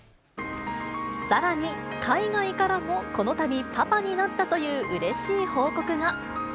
さらに海外からもこのたびパパになったといううれしい報告が。